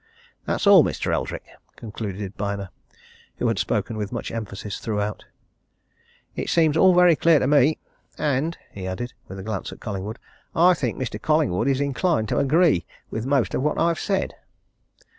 "That's all, Mr. Eldrick," concluded Byner who had spoken with much emphasis throughout. "It all seems very clear to me, and," he added, with a glance at Collingwood, "I think Mr. Collingwood is inclined to agree with most of what I've said."